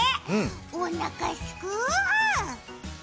おなかすく。